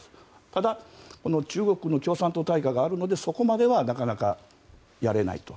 ただ、この中国の共産党大会があるのでそこまではなかなかやれないと。